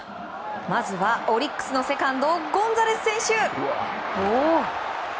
まずはオリックスのセカンドゴンザレス選手。